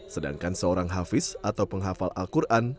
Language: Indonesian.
sedangkan seorang hafiz atau penghafal al quran